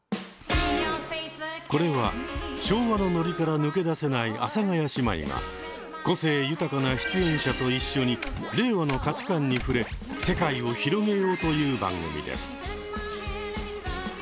これは昭和のノリから抜け出せない阿佐ヶ谷姉妹が個性豊かな出演者と一緒に令和の価値観に触れ世界を広げようという番組です。